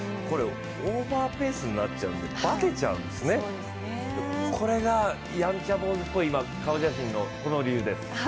オーバーペースになっちゃうんでばてちゃうんですね、これがやんちゃ坊主っぽい顔写真のこの理由です。